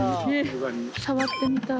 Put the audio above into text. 触ってみたい。